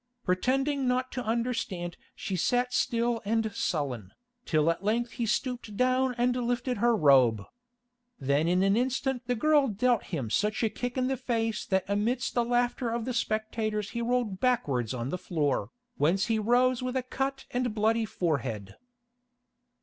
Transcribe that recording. Pretending not to understand she sat still and sullen, till at length he stooped down and lifted her robe. Then in an instant the girl dealt him such a kick in the face that amidst the laughter of the spectators he rolled backwards on the floor, whence he rose with a cut and bloody forehead.